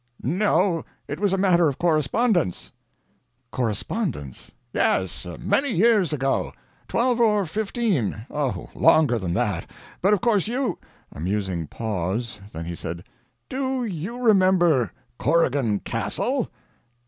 "No, it was a matter of correspondence." "Correspondence?" "Yes, many years ago. Twelve or fifteen. Oh, longer than that. But of course you " A musing pause. Then he said: "Do you remember Corrigan Castle?"